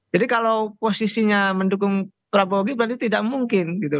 jadi kalau posisinya mendukung prabowo berarti tidak mungkin